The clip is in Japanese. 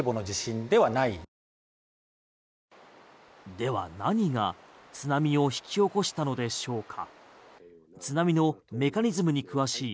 では、何が津波を引き起こしたのでしょうか？